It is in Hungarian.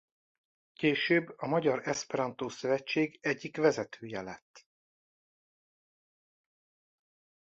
Később a Magyar Eszperantó Szövetség egyik vezetője lett.